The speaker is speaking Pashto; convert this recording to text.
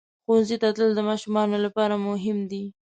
ښوونځي ته تلل د ماشومانو لپاره مهم دي.